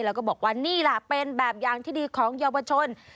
แล้วก็บอกว่านี่ล่ะเป็นแบบอย่างที่ดีของเยาวชน